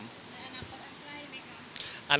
อนาคตอันใกล้ไหมครับ